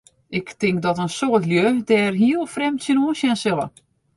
Ik tink dat in soad lju dêr hiel frjemd tsjinoan sjen sille.